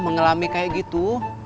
mengalami kayak gitu